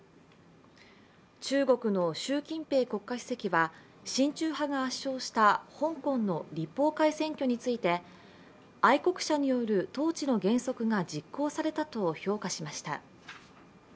中国の習近平国家主席は親中派が圧勝した香港の立法会選挙について愛国者による統治の原則が実行されたと評価しました。